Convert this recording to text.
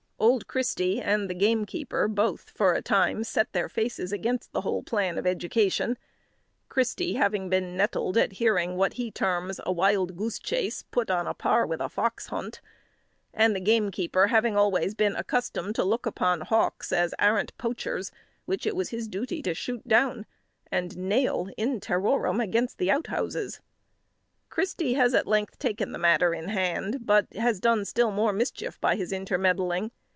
Old Christy and the gamekeeper both, for a time, set their faces against the whole plan of education; Christy having been nettled at hearing what he terms a wild goose chase put on a par with a fox hunt; and the gamekeeper having always been accustomed to look upon hawks as arrant poachers, which it was his duty to shoot down, and nail, in terrorem, against the out houses. Christy has at length taken the matter in hand, but has done still more mischief by his intermeddling.